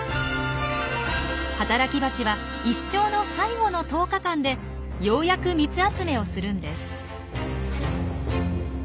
働きバチは一生の最後の１０日間でようやく蜜集めをするんです。